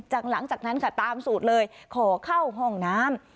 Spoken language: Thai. หลังจากนั้นค่ะตามสูตรเลยขอเข้าห้องน้ำ